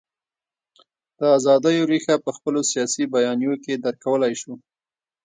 د ازادیو رېښه په خپلو سیاسي بیانیو کې درک کولای شو.